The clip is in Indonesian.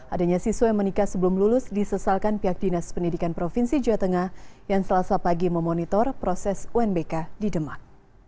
adanya siswa yang menikah sebelum lulus disesalkan pihak dinas pendidikan provinsi jawa tengah yang selasa pagi memonitor proses unbk di demak